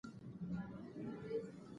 ما د هغې خوږ غږ نه و اورېدلی.